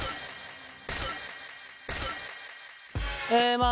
えまあ